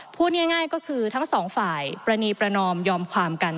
พูดง่ายก็คือทั้งสองฝ่ายปรณีประนอมยอมความกัน